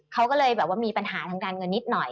เค้าก็เลยมีปัญหาทางการเงินนิดหน่อย